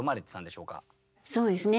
そうですね